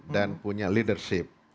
dan punya leadership